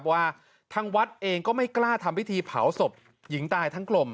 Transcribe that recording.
ว่าทางวัดเองก็ไม่กล้าทำพิธีเผาศพหญิงตายทั้งกลม